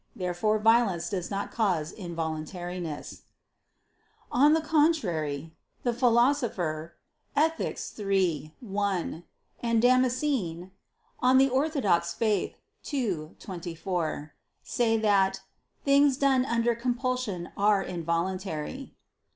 Therefore violence does not cause involuntariness. On the contrary, The Philosopher (Ethic. iii, 1) and Damascene (De Fide Orth. ii, 24) say that "things done under compulsion are involuntary."